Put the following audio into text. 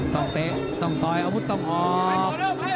เตะต้องต่อยอาวุธต้องออก